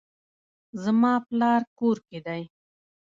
زما پلار کور کې دی